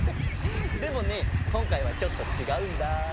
でもねこんかいはちょっとちがうんだ。